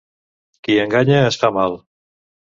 Qui enganya es fa mal.